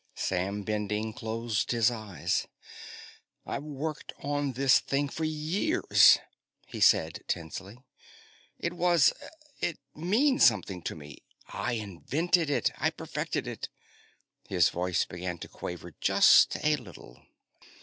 Sam Bending closed his eyes. "I've worked on this thing for years," he said tensely. "It was ... it means something to me. I invented it. I perfected it." His voice began to quaver just a little.